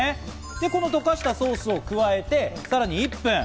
で、溶かしたソースを加えて、さらに１分。